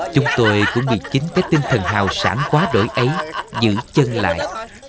chúng tôi cũng bị chính với tinh thần hào sản quá đổi ấy giữ chân lại